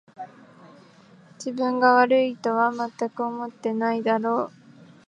自分が悪いとはまったく思ってないだろう